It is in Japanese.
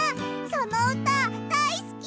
そのうただいすき！